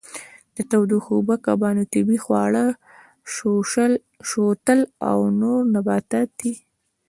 د تودو اوبو کبانو طبیعي خواړه شوتل او نور نباتات دي.